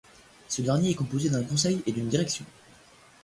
Ce dernier est composé d'un conseil et d'une direction.